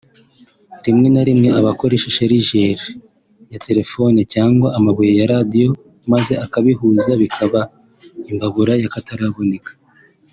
rimwe na rimwe akoresha sharijeri (Charger) ya telefoni cyangwa amabuye ya Radiyo maze akabihuza bikabyara imbabura y’akataraboneka